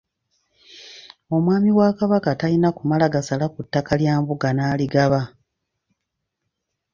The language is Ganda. Omwami wa Kabaka talina kumala gasala ku ttaka lya mbuga n'aligaba.